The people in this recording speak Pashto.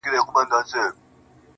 موږ د خپل انسانيت حيصه ورکړې~